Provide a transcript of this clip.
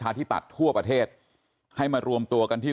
าทิบัติพวกอเทศให้มารวมตัวกันที่